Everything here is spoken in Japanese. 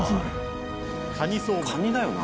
カニだよな？